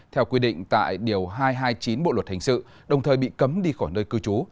theo quy định tại điều hai trăm hai mươi chín bộ luật hình sự đồng thời bị cấm đi khỏi nơi cư trú